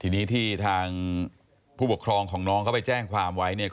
ทีนี้ที่ทางผู้ปกครองของน้องเขาไปแจ้งความไว้เนี่ย